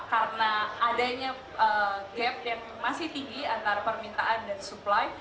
karena adanya gap yang masih tinggi antara permintaan dan supply